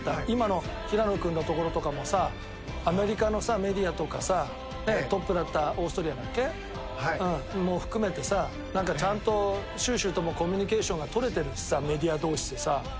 今の平野君のところとかもさアメリカのメディアとかさトップだったオーストリアだっけ？も含めてさちゃんと、シュウシュウともコミュニケーションが取れてるしさメディア同士でさ。